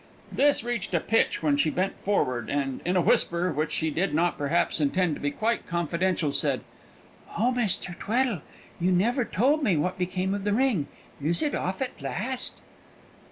This reached a pitch when she bent forward, and, in a whisper, which she did not, perhaps, intend to be quite confidential, said, "Oh, Mr. Tweddle, you never told me what became of the ring! Is it off at last?"